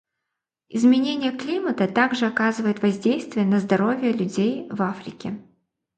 Изменение климата также оказывает воздействие на здоровье людей в Африке.